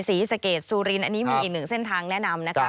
ศรีศักยศสุรินทร์อันนี้มีอีกหนึ่งเส้นทางแนะนำนะครับ